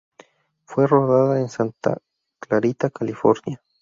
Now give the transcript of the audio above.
Fue rodada en Santa Clarita, California.